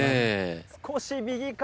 少し右か？